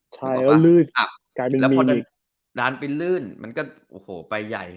ใช่แล้วก็ลื่นอับแล้วพอดันไปลื่นมันก็โอ้โหไปใหญ่